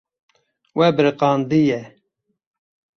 We biriqandiye.